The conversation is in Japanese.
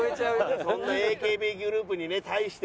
そんなＡＫＢグループに対して。